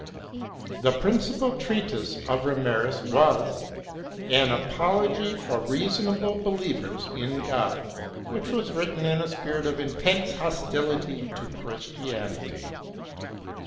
The principal treatise of Reimarus was an " Apology for Reason able Believers in God," which was written in a spirit of intense hostility to Christianity.